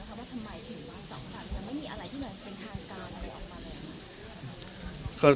และต่อมาไม่มีทางการ